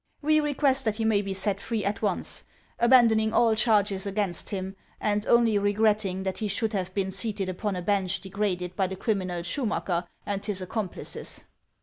We request that he may be set free at once, abandon ing all charges against him, and only regretting that he should have been seated upon a bench degraded by the criminal Schumacker and his accomplices."